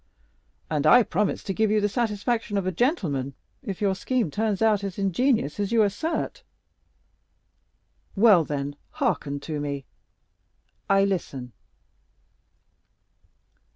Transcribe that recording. "And I promise to give you the satisfaction of a gentleman if your scheme turns out as ingenious as you assert." "Well, then, hearken to me." "I listen."